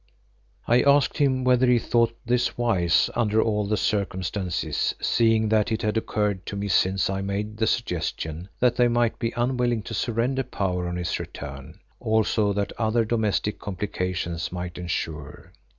I asked him whether he thought this wise under all the circumstances, seeing that it had occurred to me since I made the suggestion, that they might be unwilling to surrender power on his return, also that other domestic complications might ensue.